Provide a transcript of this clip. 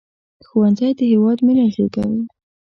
ښوونځی د هیواد مينه زیږوي